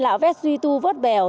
lạo vét duy tu vớt bèo